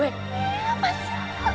eh apaan sih